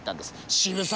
渋沢